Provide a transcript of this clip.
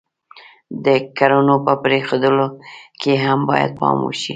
د کړنو په پرېښودلو کې هم باید پام وشي.